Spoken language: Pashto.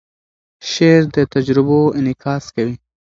شعر د تجربو انعکاس کوي.